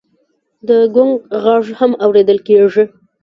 د ګونګ غږ هم اورېدل کېږي.